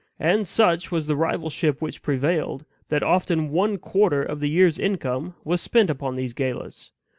And such was the rivalship which prevailed, that often one quarter of the year's income was spent upon these galas.